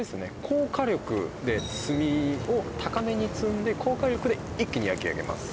高火力で炭を高めに積んで高火力で一気に焼き上げます